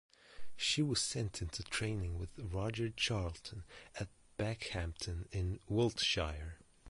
She was sent into training with Roger Charlton at Beckhampton in Wiltshire.